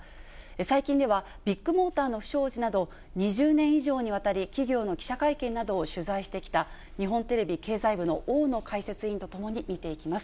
最近では、ビッグモーターの不祥事など、２０年以上にわたり企業の記者会見などを取材してきた、日本テレビ経済部の大野解説委員と共に見ていきます。